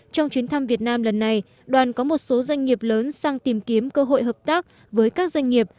trong chuyến thăm việt nam lần này đoàn có một số doanh nghiệp lớn sang tìm kiếm cơ hội hợp tác với các doanh nghiệp